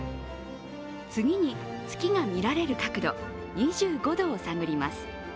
次に、月が見られる角度２５度を探ります。